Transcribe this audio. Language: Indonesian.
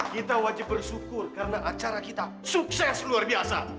kita wajib bersyukur karena acara kita sukses luar biasa